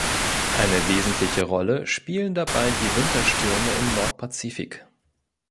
Eine wesentliche Rolle spielen dabei die Winterstürme im Nordpazifik.